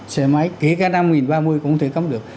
xe máy kể cả năm ba mươi cũng không thể cấm được